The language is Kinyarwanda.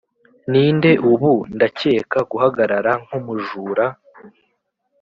ninde ubu ndakeka guhagarara nkumujura